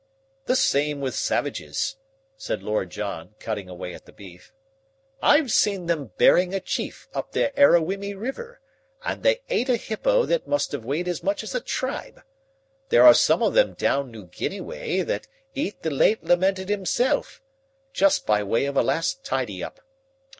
"The same with savages," said Lord John, cutting away at the beef. "I've seen them buryin' a chief up the Aruwimi River, and they ate a hippo that must have weighed as much as a tribe. There are some of them down New Guinea way that eat the late lamented himself, just by way of a last tidy up.